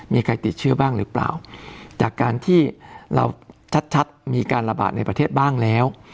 มีใครติดเชื้อบ้างหรือเปล่าจากการที่เราชัดมีการระบาดในประเทศบ้างแล้ว